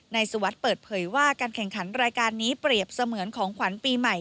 สวัสดิ์เปิดเผยว่าการแข่งขันรายการนี้เปรียบเสมือนของขวัญปีใหม่